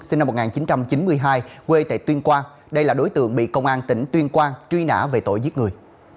sinh năm một nghìn chín trăm chín mươi hai quê tại tuyên quang đây là đối tượng bị công an tỉnh tuyên quang truy nã về tội giết người